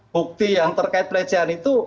bukti yang terkait pelecehan itu